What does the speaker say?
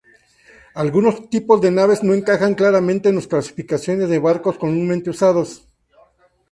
Algunos tipos de naves no encajan claramente en las clasificaciones de barcos comúnmente usadas.